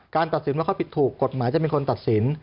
ตัดสินว่าเขาผิดถูกกฎหมายจะเป็นคนตัดสิน